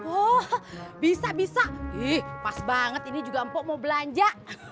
oh bisa bisa ih pas banget ini juga mpok mau belanja